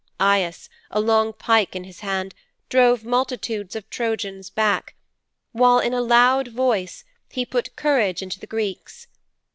Aias, a long pike in his hand, drove multitudes of Trojans back, while, in a loud voice, he put courage into the Greeks.